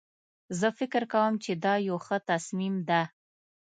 زه فکر کوم چې دا یو ښه تصمیم ده